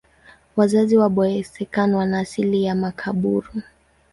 Wazazi wa Boeseken wana asili ya Makaburu.